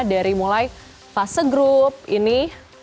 dari mulai fase grup ini